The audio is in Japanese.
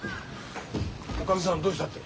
おかみさんどうしたって？